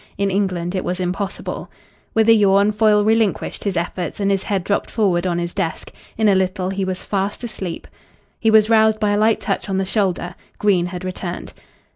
In England it was impossible. With a yawn Foyle relinquished his efforts, and his head dropped forward on his desk. In a little he was fast asleep. He was roused by a light touch on the shoulder. Green had returned.